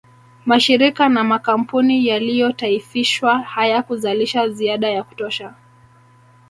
Mashirika na makampuni yaliyotaifishwa hayakuzalisha ziada ya kutosha